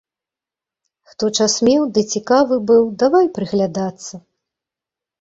Хто час меў ды цікавы быў, давай прыглядацца.